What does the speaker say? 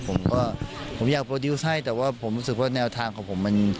ผมก็ผมอยากโปรดิวต์ให้แต่ว่าผมรู้สึกว่าแนวทางของผมมัน